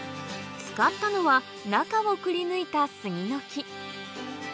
使ったのは中をくりぬいた杉の木